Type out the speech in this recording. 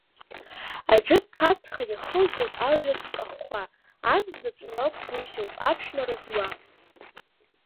Ажәытә ԥацха иахылҵуеит алҩаҵә кахәхәа, ан заҵә лакәгәшьоуп аԥшәмара зуа.